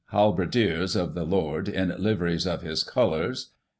Halberdiers of the Lord, in Liveries of his Colours.